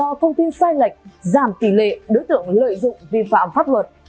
do thông tin sai lệch giảm tỷ lệ đối tượng lợi dụng vi phạm pháp luật